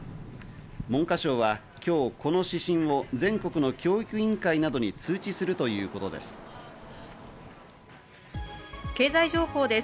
文科省は今日、この指針を全国の教育委員会などに通知するという経済情報です。